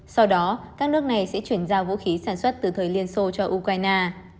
sau đó các nước này sẽ chuyển giao vũ khí sản xuất từ thời liên xô cho ukraine